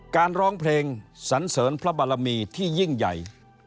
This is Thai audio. ร้องเพลงสันเสริญพระบารมีที่ยิ่งใหญ่